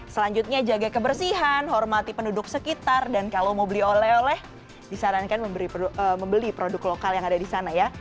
selanjutnya jaga kebersihan hormati penduduk sekitar dan kalau mau beli oleh oleh disarankan membeli produk lokal yang ada di sana ya